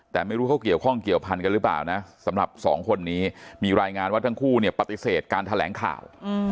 แต่ไม่รู้เขาเกี่ยวข้องเกี่ยวพันกันหรือเปล่านะสำหรับสองคนนี้มีรายงานว่าทั้งคู่เนี่ยปฏิเสธการแถลงข่าว